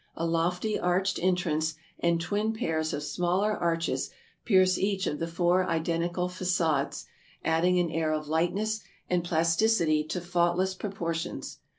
A lofty arched entrance and twin pairs of smaller arches pierce each of the four identical facades, adding an air of lightness and plasticity to faultless proportions.